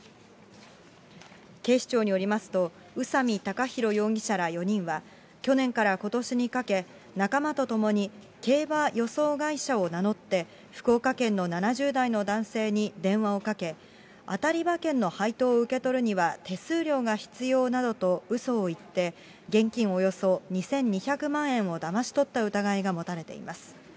警視庁によりますと、宇佐美たかひろ容疑者ら４人は、去年からことしにかけ、仲間と共に競馬予想会社を名乗って、福岡県の７０代の男性に電話をかけ、当たり馬券の配当を受け取るには手数料が必要などとうそを言って、現金およそ２２００万円をだまし取った疑いが持たれています。